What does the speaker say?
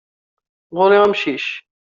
Ɣur-i amcic.